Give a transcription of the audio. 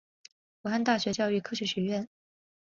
武汉大学教育科学学院